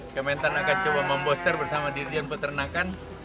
kementerian akan coba memboster bersama diri dan peternakan